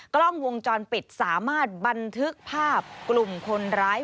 กล้องวงจรปิดสามารถบันทึกภาพกลุ่มคนร้าย